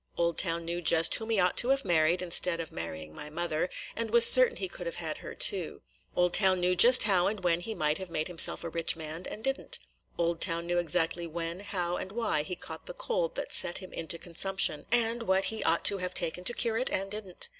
Oldtown knew just whom he ought to have married instead of marrying my mother, and was certain he could have had her too. Oldtown knew just how and when he might have made himself a rich man, and did n't. Oldtown knew exactly when, how, and why he caught the cold that set him into consumption, and what he ought to have taken to cure it, and did n't.